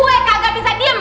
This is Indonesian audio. yang kagak bisa diam